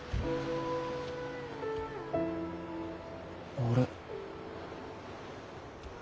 あれ。